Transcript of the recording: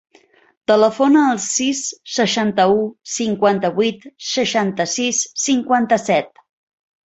Telefona al sis, seixanta-u, cinquanta-vuit, seixanta-sis, cinquanta-set.